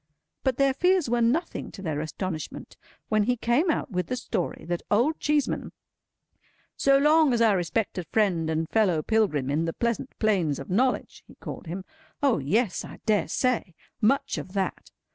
But their fears were nothing to their astonishment when he came out with the story that Old Cheeseman, "so long our respected friend and fellow pilgrim in the pleasant plains of knowledge," he called him—O yes! I dare say! Much of that!